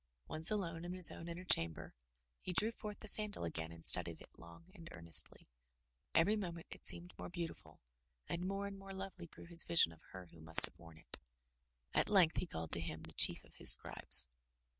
Once alone in his own inner chamber, he drew forth the sandal again and studied it long and earnestly. Every moment it seemed more beautiful; and more and more lovely grew his vision of her who must have worn it. At length he called to him the Chief of his Scribes.